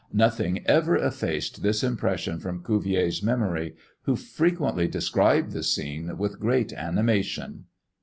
Nothing ever effaced this impression from Cuvier's memory, who frequently described the scene with great animation."